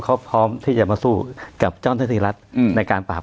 เขาพร้อมที่จะมาสู้กับเจ้าหน้าที่รัฐในการปราบ